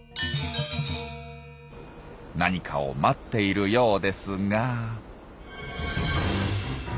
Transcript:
何かを待っているようですが。